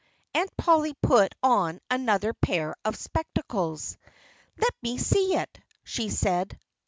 Aunt Polly put on another pair of spectacles. "Let me see it!" she said.